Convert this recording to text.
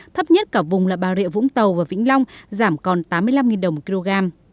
thấp nhất cả vùng là bà rịa vũng tàu và vĩnh long giảm còn tám mươi năm đồng một kg